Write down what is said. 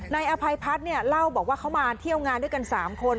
นายอภัยพัฒน์เนี่ยเล่าบอกว่าเขามาเที่ยวงานด้วยกัน๓คน